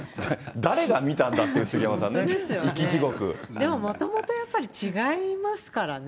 誰が見たんだっていう、でももともとやっぱり、違いますからね。